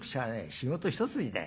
仕事一筋だ。